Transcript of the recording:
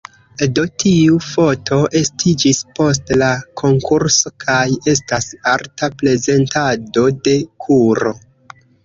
Do, tiu foto estiĝis post la konkurso kaj estas arta prezentado de kuro.